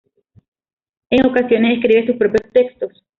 En ocasiones escribe sus propios textos.